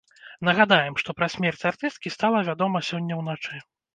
Нагадаем, што пра смерць артысткі стала вядома сёння ўначы.